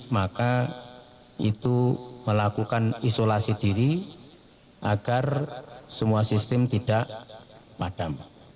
maka itu melakukan isolasi diri agar semua sistem tidak padam